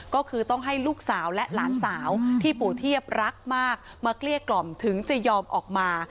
ก็คือต้องให้ลูกสาวและหลานสาวที่ปู่เทียบรักมากมาเกลี้ยกล่อมถึงจะยอมออกมา